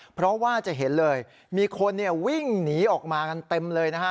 เพราะว่าจะเห็นเลยมีคนวิ่งหนีออกมากันเต็มเลยนะฮะ